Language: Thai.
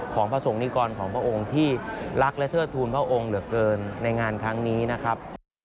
พระสงคิกรของพระองค์ที่รักและเทิดทูลพระองค์เหลือเกินในงานครั้งนี้นะครับ